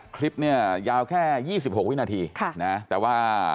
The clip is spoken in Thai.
คลิปเนี่ยยาวแค่ยี่สิบหกวินาทีค่ะนะฮะแต่ว่า